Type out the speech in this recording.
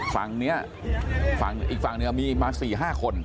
ฝั่งเนี่ยอีกฝั่งเนี่ยมีมา๔๕คน